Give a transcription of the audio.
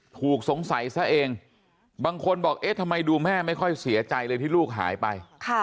ถูกสงสัยซะเองบางคนบอกเอ๊ะทำไมดูแม่ไม่ค่อยเสียใจเลยที่ลูกหายไป